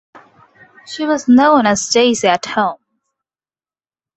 She was known as "Daisy" at home.